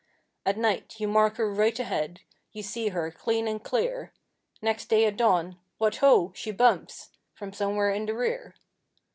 At night you mark her right ahead, you see her clean and clear, Next day at dawn 'What, ho! she bumps' from somewhere in the rear.